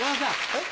えっ？